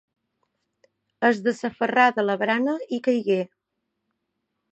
Es desaferrà de la barana i caigué.